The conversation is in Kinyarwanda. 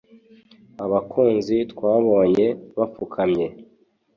abakunzi twabonye bapfukamye